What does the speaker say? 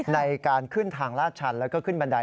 ในการขึ้นทางลาดชันแล้วก็ขึ้นบันได